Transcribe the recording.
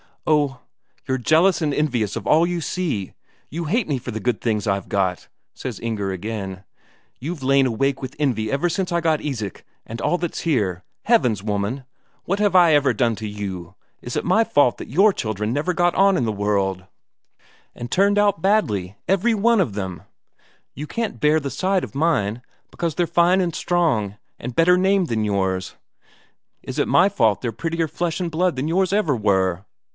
"Oh, you're jealous and envious of all you see; you hate me for all the good things I've got," says Inger again. "You've lain awake with envy since I got Isak and all that's here. Heavens, woman, what have I ever done to you? Is it my fault that your children never got on in the world, and turned out badly, every one of them? You can't bear the sight of mine, because they're fine and strong, and better named than yours. Is it my fault they're prettier flesh and blood than yours ever were?"